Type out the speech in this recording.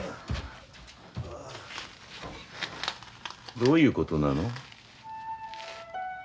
どういうことなの？